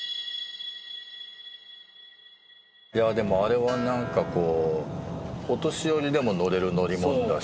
でもあれは何かこうお年寄りでも乗れる乗り物だし。